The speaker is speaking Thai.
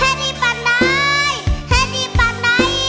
แฮดดี้ปันไดแฮดดี้ปันได